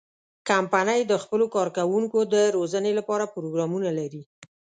کمپنۍ د خپلو کارکوونکو د روزنې لپاره پروګرامونه لري.